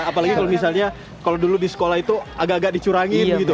apalagi kalau misalnya kalau dulu di sekolah itu agak agak dicurangin gitu